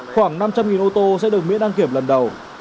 khoảng năm trăm linh ô tô sẽ được miễn đăng kiểm lần đầu